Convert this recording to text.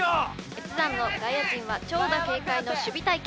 越山の外野陣は長打警戒の守備隊形